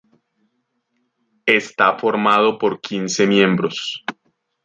Esta formado por quince miembros.